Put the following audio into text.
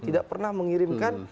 tidak pernah mengirimkan